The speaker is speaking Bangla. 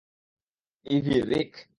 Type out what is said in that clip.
ইভি, রিক!